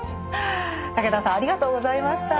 武田さんありがとうございました。